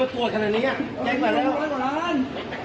เพลง